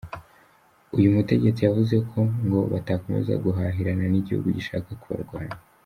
Uyu mutegetsi yavuze ko ngo batakomeza guhahirana n’igihugu gishaka kubarwanya.